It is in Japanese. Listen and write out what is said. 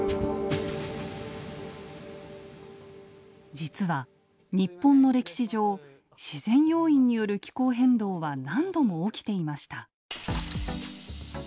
実は日本の歴史上自然要因による気候変動は何度も起きていました。